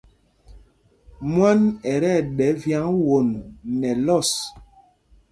Mwân ɛ tí ɛɗɛ vyǎŋ won nɛ lɔs.